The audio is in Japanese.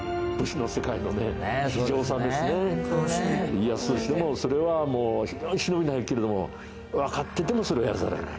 家康としてもそれは非常に忍びないけれどもわかっていてもそれをやらざるを得ない。